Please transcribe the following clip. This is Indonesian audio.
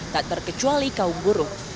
tak terkecuali kaum buruh